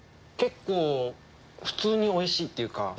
結構普通においしいっていうか。